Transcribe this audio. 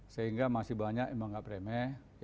sehingga masih banyak yang menganggap remeh